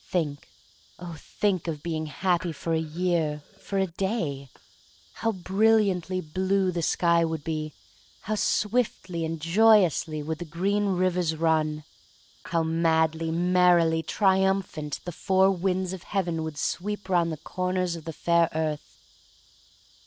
Think, oh, think, of being happy for a year — for a day! How brilliantly blue the sky would be; how swiftly and joyously would the green rivers run; how madly, merrily triumphant the four winds of heaven would sweep round the corners of the fair earth!